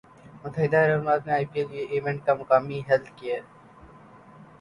متحدہ عرب امارات میں آئی پی ایل ایونٹ کا مقامی ہیلتھ کیئر